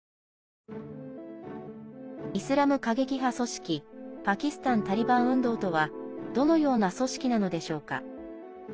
イスラム過激派組織パキスタン・タリバン運動とはどのような組織なのでしょうか。